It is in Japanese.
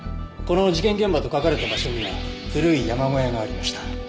この「事件現場」と書かれた場所には古い山小屋がありました。